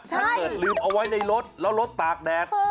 ถ้าเกิดลืมเอาไว้ในรถแล้วรถตากแดด